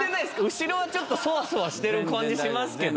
後ろはちょっとソワソワしてる感じしますけど。